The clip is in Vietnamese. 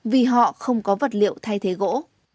vì họ không có vật liệu thay thế gỗ